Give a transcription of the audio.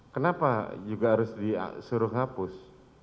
kenapa juga harus disuruh hapus